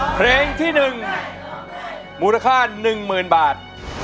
เพลงที่หนึ่งมูลค่า๑๐๐๐๐บาท